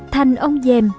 thanh ông giêm